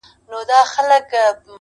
هو پاچا ملا وزیر ملا سهي ده-